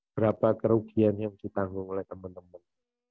berapa kerugian yang ditanggung oleh teman teman